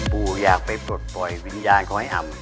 ปู่อยากไปปลดปล่อยวิญญาณของไอ้อำ